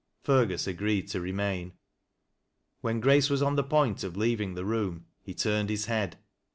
Fergus agreed to remain. When Grace was on Ibt point of leaving the room, he turned his head.